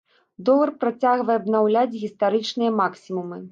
Долар працягвае абнаўляць гістарычныя максімумы.